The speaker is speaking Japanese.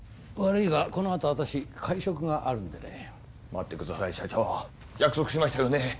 悪いがこのあと私会食があるんでね待ってください社長約束しましたよね？